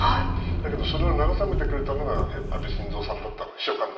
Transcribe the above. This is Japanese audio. だけどそれを慰めてくれたのが安倍晋三さんだったんです。